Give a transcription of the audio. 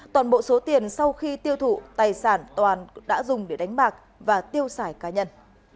toàn bộ số tiền sau khi tiêu thụ tài sản toàn đã dùng để đánh bạc và tiêu xài cá nhân